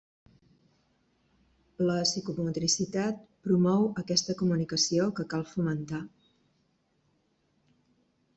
La psicomotricitat promou aquesta comunicació que cal fomentar.